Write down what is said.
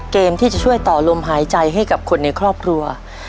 เกมที่จะช่วยต่อลมหายใจให้กับคนในครอบครัว